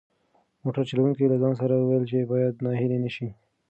موټر چلونکي له ځان سره وویل چې باید ناهیلی نشي.